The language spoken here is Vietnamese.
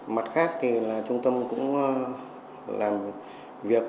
mặt khác thì là trung tâm cũng làm việc